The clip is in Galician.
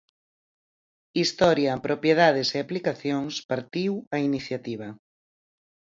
Historia, propiedades e aplicacións, partiu a iniciativa.